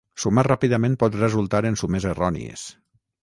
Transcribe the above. Sumar ràpidament pot resultar en sumes errònies.